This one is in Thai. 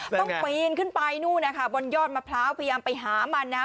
ปีนขึ้นไปนู่นนะคะบนยอดมะพร้าวพยายามไปหามันนะฮะ